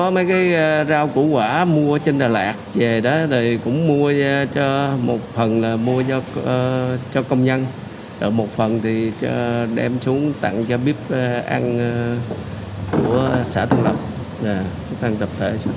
một phần là mua cho công nhân một phần thì đem xuống tặng cho bếp ăn của xã tân lập